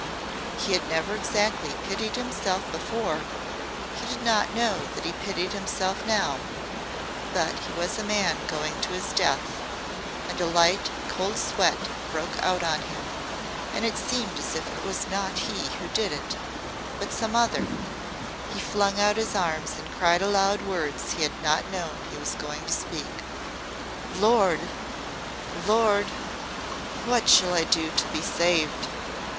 He had never exactly pitied himself before he did not know that he pitied himself now, but he was a man going to his death, and a light, cold sweat broke out on him and it seemed as if it was not he who did it, but some other he flung out his arms and cried aloud words he had not known he was going to speak. "Lord! Lord! What shall I do to be saved?"